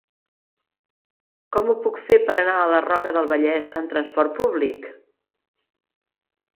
Com ho puc fer per anar a la Roca del Vallès amb trasport públic?